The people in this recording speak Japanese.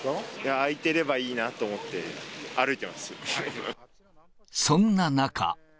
開いてればいいなと思って、そんな中。